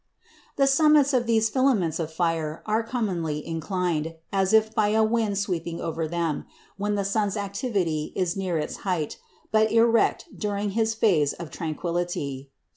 The summits of these filaments of fire are commonly inclined, as if by a wind sweeping over them, when the sun's activity is near its height, but erect during his phase of tranquillity.